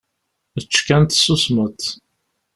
Ečč kan, tessusmeḍ!